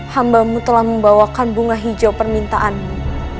hambamu telah membawakan bunga hijau permintaanmu